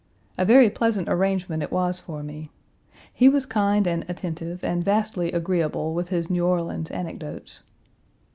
A very pleasant arrangement it was for me. He was kind and attentive and vastly agreeable with his New Orleans anecdotes.